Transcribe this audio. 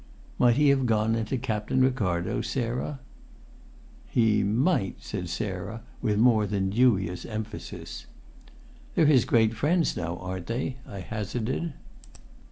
"Might he have gone into Captain Ricardo's, Sarah?" "He might," said Sarah, with more than dubious emphasis. "They're his great friends now, aren't they?" I hazarded.